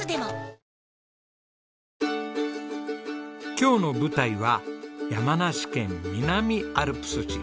今日の舞台は山梨県南アルプス市。